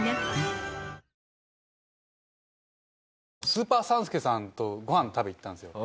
スーパー３助さんとご飯食べ行ったんですよ。